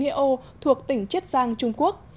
nghĩa âu thuộc tỉnh chết giang trung quốc